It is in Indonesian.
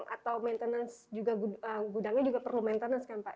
atau maintenance juga gudangnya juga perlu maintenance kan pak